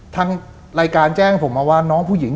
ทางรายการแจ้งผมมาว่าน้องผู้หญิง